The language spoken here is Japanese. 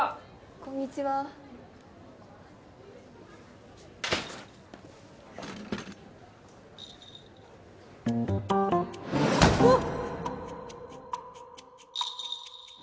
こんにちはうわっ！